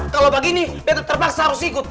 kalau begini terpaksa harus ikut